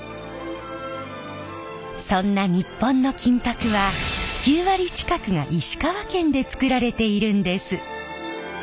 そんな日本の金箔は９割近くが石川県で作られているんです。